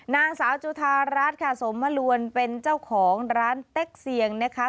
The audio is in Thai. นางสาวจุธารัฐค่ะสมลวนเป็นเจ้าของร้านเต็กเซียงนะคะ